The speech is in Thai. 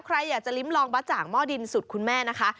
ใครอยากจะลิ้มลองบะจ่างหม้อดินสุดคุณแม่นะคะ